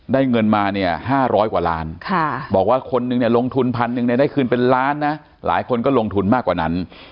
ได้เงินมา๕๐๐กว่าล้านบาทบอกว่าคนหนึ่งลงทุนพันธุ์หนึ่งได้คืนเป็นล้านหลายคนก็ลงทุนมากกว่านั้น